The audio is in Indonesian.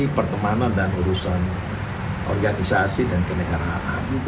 jadi pertemanan dan urusan organisasi dan kelegaran